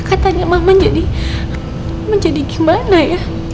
katanya mama jadi gimana ya